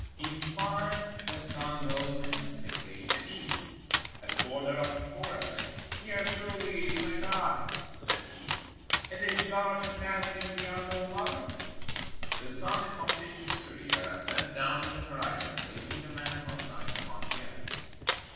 In fine, the sun rose majestically in the East, at the border of the forest. "Here, truly, is my God," said he; "it is large and dazzling beyond all others." The sun accomplished his career, and went down in the horizon, leaving the mantle of night upon the earth.